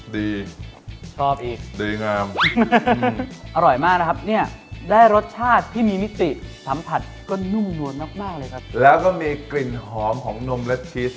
ดีชอบอีกดีงามอร่อยมากนะครับเนี่ยได้รสชาติที่มีมิติสัมผัสก็นุ่มนวลมากมากเลยครับแล้วก็มีกลิ่นหอมของนมและชีส